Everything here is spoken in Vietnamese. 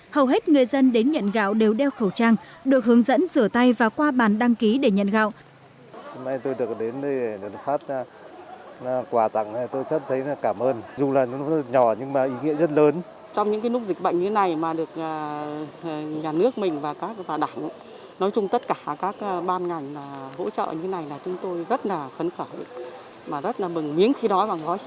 hầu hết người dân đến nhận gạo đều đeo khẩu trang được hướng dẫn rửa tay và qua bàn đăng ký để nhận gạo